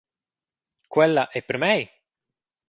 Quella ei per mei?